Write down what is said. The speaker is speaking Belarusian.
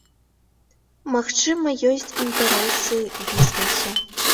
Магчыма, ёсць інтарэсы бізнэсу.